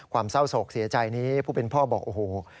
ความเศร้าโศกเสียใจนี้ผู้เป็นพ่อบอกโอ้โห